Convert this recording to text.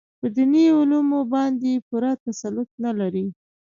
په دیني علومو باندې پوره تسلط نه لري.